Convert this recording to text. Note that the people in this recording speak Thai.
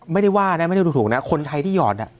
ไม่ได้ว่านะไม่ได้ดูถูกนะคนไทยที่หยอด